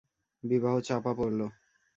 বিবাহ চাপা পড়ল।